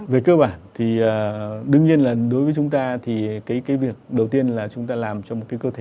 về cơ bản thì đương nhiên là đối với chúng ta thì cái việc đầu tiên là chúng ta làm cho một cái cơ thể